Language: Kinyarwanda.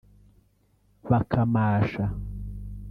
bakamasha